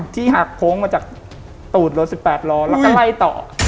หักโค้งมาจากตูดรถ๑๘ล้อแล้วก็ไล่ต่อ